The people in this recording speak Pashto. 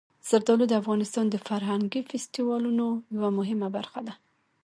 زردالو د افغانستان د فرهنګي فستیوالونو یوه مهمه برخه ده.